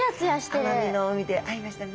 奄美の海で会いましたね！